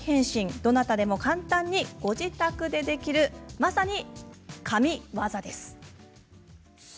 どなたでも簡単にご自宅でできるまさに神業です。